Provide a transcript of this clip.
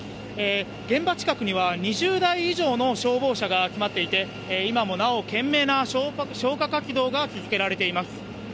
現場近くには２０台以上の消防車が集まっていて、今もなお懸命な消火活動が続けられています。